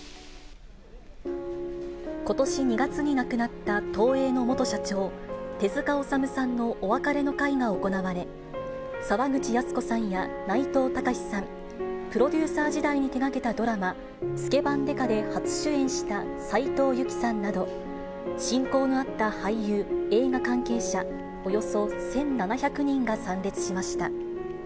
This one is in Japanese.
ことし２月に亡くなった東映の元社長、手塚治さんのお別れの会が行われ、沢口靖子さんや内藤剛志さん、プロデューサー時代に手がけたドラマ、スケバン刑事で初主演した斉藤由貴さんなど、親交のあった俳優、映画関係者およそ１７００人が参列しました。